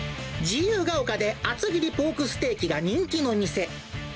自由が丘で厚切りポークステーキが人気の店。